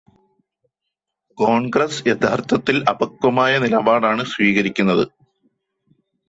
കോൺഗ്രസ് യഥാർഥത്തിൽ അപക്വമായ നിലപാടാണ് സ്വീകരിക്കുന്നത്.